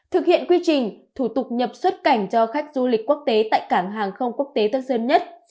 thực hiện quy trình thủ tục nhập xuất cảnh cho khách du lịch quốc tế tại cảng hàng không quốc tế tân sơn nhất